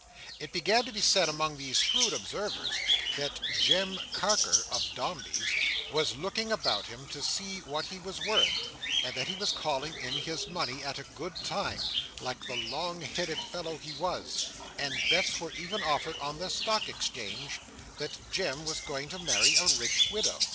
It began to be said, among these shrewd observers, that Jem Carker, of Dombey's, was looking about him to see what he was worth; and that he was calling in his money at a good time, like the long headed fellow he was; and bets were even offered on the Stock Exchange that Jem was going to marry a rich widow.